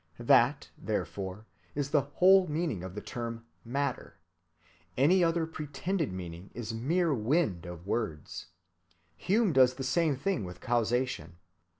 That, therefore, is the whole meaning of the term "matter"—any other pretended meaning is mere wind of words. Hume does the same thing with causation.